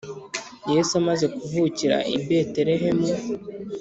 Yesu amaze kuvukira i Betelehemu